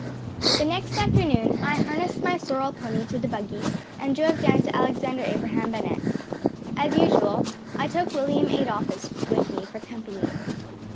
The next afternoon I harnessed my sorrel pony to the buggy and drove down to Alexander Abraham Bennett’s. As usual, I took William Adolphus with me for company.